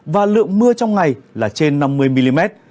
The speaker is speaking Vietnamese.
và lượng mưa trong ngày là trên năm mươi mm